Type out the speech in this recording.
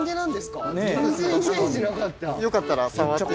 よかったら触って。